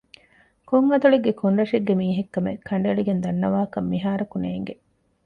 ކޮން އަތޮޅެއްގެ ކޮން ރަށެއްގެ މީހެއް ކަމެއް ކަނޑައަޅައި ދަންނަވާކަށް މިހާރަކު ނޭނގެ